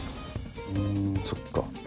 うんそっか。